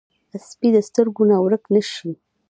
سپي د سترګو نه ورک نه شي.